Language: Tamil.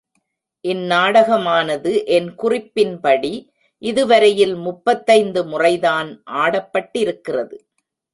இந்நாடகமானது என் குறிப்பின்படி இதுவரையில் முப்பத்தைந்து முறைதான் ஆடப்பட்டிருக்கிறது.